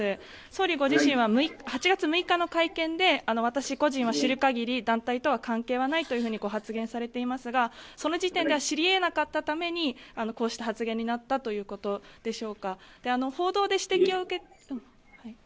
総理ご自身は８月６日の会見で私個人は知るかぎり団体とは関係がないというふうに発言されていますがその時点では知りえなかったためにこうした発言になったということでしょうか。